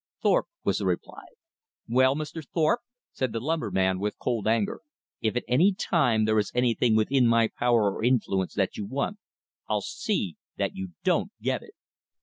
"Thorpe," was the reply. "Well, Mr. Thorpe," said the lumberman with cold anger, "if at any time there is anything within my power or influence that you want I'll see that you don't get it."